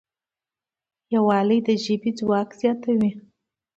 یووالی د ژبې ځواک زیاتوي.